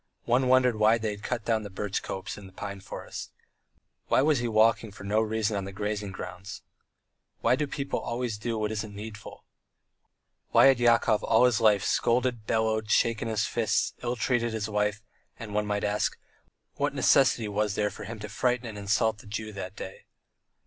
One wondered why they had cut down the birch copse and the pine forest. Why was he walking with no reason on the grazing ground? Why do people always do what isn't needful? Why had Yakov all his life scolded, bellowed, shaken his fists, ill treated his wife, and, one might ask, what necessity was there for him to frighten and insult the Jew that day?